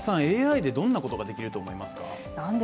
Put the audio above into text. ＡＩでどんなことができると思いますか？